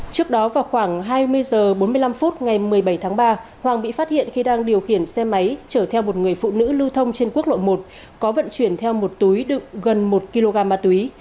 trước đó vào khoảng hai mươi h bốn mươi năm phút ngày một mươi bảy tháng ba hoàng bị phát hiện khi đang điều khiển xe máy chở theo một người phụ nữ lưu thông trên quốc lộ một có vận chuyển theo một túi đựng gần một kg ma túy